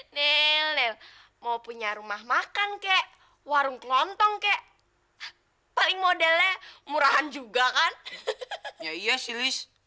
nih mau punya rumah makan kek warung ke lontong kek paling modelnya murahan juga kan iya sih